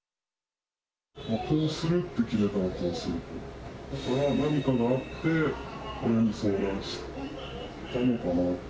こうするって決めたらこうするし、何かがあって、親に相談したのかな。